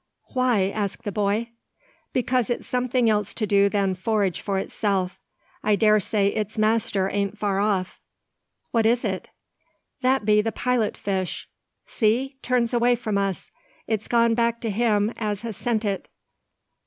"Why?" asked the boy. "Because it's something else to do than forage for itself. I dare say its master an't far off." "What is it?" "That be the pilot fish. See! turns away from us. It gone back to him as has sent it."